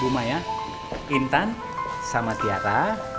bu maya intan sama tiara